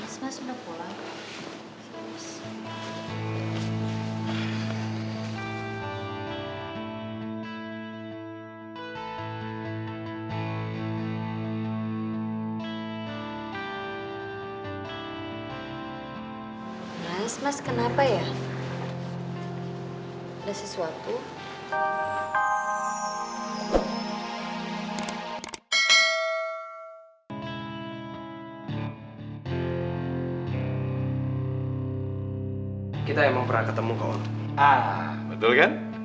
sampai jumpa di video selanjutnya